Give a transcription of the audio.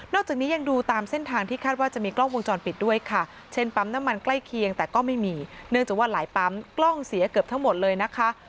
จากนี้ยังดูตามเส้นทางที่คาดว่าจะมีกล้องวงจรปิดด้วยค่ะเช่นปั๊มน้ำมันใกล้เคียงแต่ก็ไม่มีเนื่องจากว่าหลายปั๊มกล้องเสียเกือบทั้งหมดเลยนะคะ